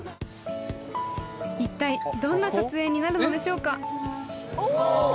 一体どんな撮影になるのでしょうか？